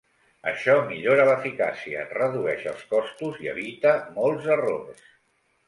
Això millora l"eficàcia, redueix els costos i evita molts errors.